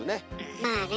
まあね